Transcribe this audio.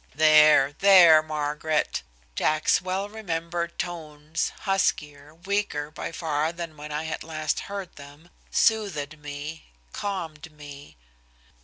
"There, there, Margaret." Jack's well remembered tones, huskier, weaker by far than when I had last heard them, soothed me, calmed me.